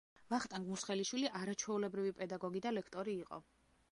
ვახტანგ მუსხელიშვილი არაჩვეულებრივი პედაგოგი და ლექტორი იყო.